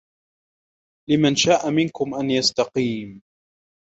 لمن شاء منكم أن يستقيم